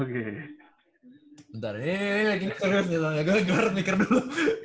bentar nih nih nih nih gara gara mikir dulu